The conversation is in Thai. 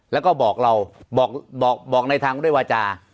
แล้วก็บอกเราบอกในทางด้วยวาจา